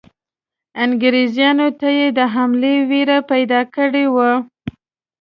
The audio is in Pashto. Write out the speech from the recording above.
انګریزانو ته یې د حملې وېره پیدا کړې وه.